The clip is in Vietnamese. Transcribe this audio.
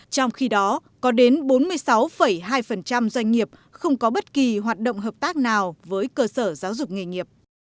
trong khi đó có đến bốn mươi sáu hai doanh nghiệp không có bất kỳ hoạt động hợp tác nào với cơ sở giáo dục nghề nghiệp